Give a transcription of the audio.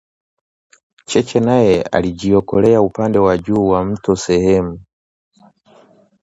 Cheche naye alijiokolea upande wa juu wa mto sehemu